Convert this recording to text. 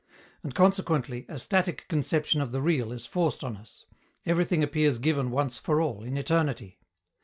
And, consequently, a static conception of the real is forced on us: everything appears given once for all, in eternity.